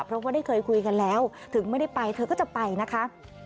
เพราะว่าได้เคยคุยกันแล้วถึงไม่ได้ไปเธอก็จะไปนะคะ